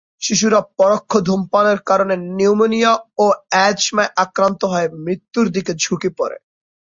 শিশুরা পরোক্ষ ধূমপানের কারণে নিউমোনিয়া ও অ্যাজমায় আক্রান্ত হয়ে মৃত্যুর দিকে ঝুঁকে পড়ে।